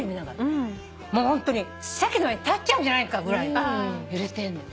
ホントに席の上に立っちゃうんじゃないかぐらい揺れてんのよ。